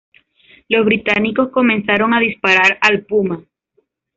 Los británicos comenzaron a disparar al Puma.